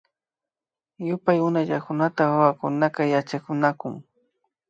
Yupay Unaychakunata wawakunaka yachakunakun